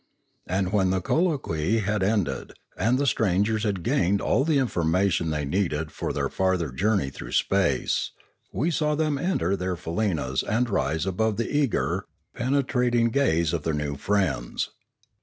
And, when the colloquy had ended, and the strangers had gained all the information they needed for their farther journey through space, we saw them enter their faleenas and rise above the eager, penetrating gaze of their new friends.